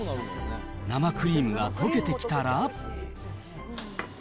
生クリームが溶けてきたら。